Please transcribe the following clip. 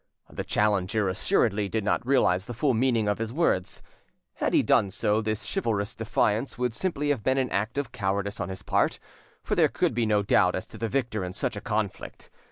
The challenger assuredly did not realise the full meaning, of his words; had he done so, this chivalrous defiance would simply have been an act of cowardice on his part, for there could be no doubt as to the victor in such a conflict.